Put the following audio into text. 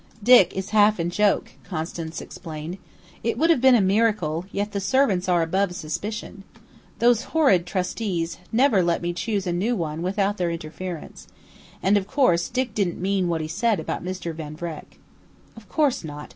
"Dick is half in joke," Constance explained. "It would have been a miracle, yet the servants are above suspicion. Those horrid trustees never let me choose a new one without their interference. And, of course Dick didn't mean what he said about Mr. Van Vreck." "Of course not.